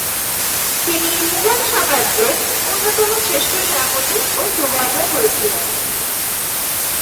তিনি মুগল সাম্রাজ্যের অন্যতম শ্রেষ্ঠ সেনাপতি ও সুবাহদার হয়েছিলেন।